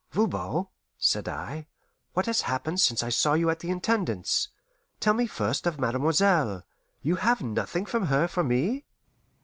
"Voban," said I, "what has happened since I saw you at the Intendance? Tell me first of mademoiselle. You have nothing from her for me?"